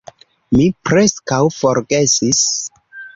Mi preskaŭ forgesis